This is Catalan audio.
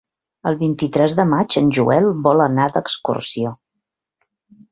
El vint-i-tres de maig en Joel vol anar d'excursió.